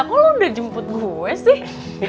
kok lo udah jemput gue sih